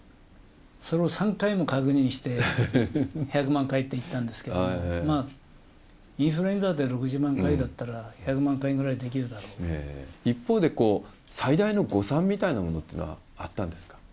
それを３回も確認して、１００万回って言ったんですけれども、インフルエンザで６０万回だったら１００万回ぐらいできるだろう一方で、最大の誤算みたいなものってのはあったんですか？